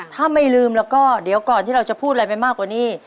ถ้าไม่ลืมแล้วก็เดี๋ยวก่อนที่เราจะพูดอะไรไปมากกว่านี้